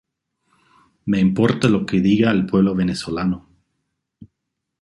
Me importa lo que diga el pueblo venezolano.